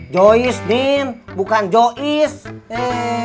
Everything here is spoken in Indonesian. joyce din bukan joyce